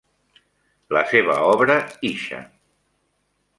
La seva obra, Isha.